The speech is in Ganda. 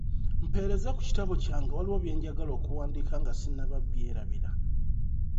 Mpeereza ku kitabo kyange waliwo bye njagala okuwandiika nga sinnaba byerabira.